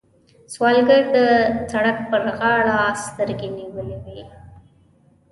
سوالګر د سړک پر غاړه سترګې نیولې وي